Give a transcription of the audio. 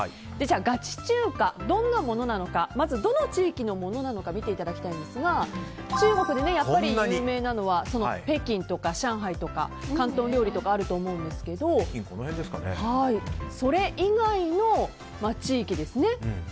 ガチ中華、どんなものなのかまずどの地域のものなのか見ていただきたいんですが中国で、やっぱり有名なのは北京とか上海とか広東料理とかあると思うんですがそれ以外の地域ですね。